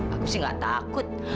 aku sih gak takut